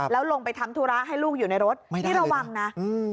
แล้วลงไปทำธุระให้ลูกอยู่ในรถไม่ได้ระวังนะอืม